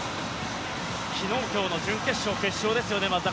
昨日、今日の準決勝、決勝ですよね。